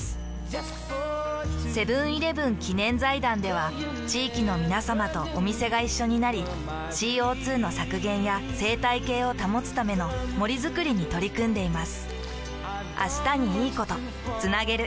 セブンーイレブン記念財団では地域のみなさまとお店が一緒になり ＣＯ２ の削減や生態系を保つための森づくりに取り組んでいます。